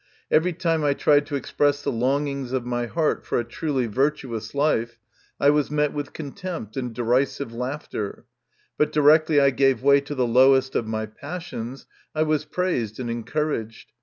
Every time I tried to express the longings of my heart for a truly virtuous life, I was met with contempt and derisive laughter; but directly I gave way to the lowest of my passions, I was praised and encouraged.